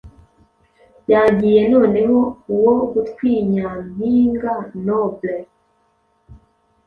Yagiye noneho uwo gutwinyampinga noble